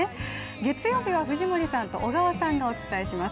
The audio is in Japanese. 月曜日は藤森さんと小川さんがお伝えします。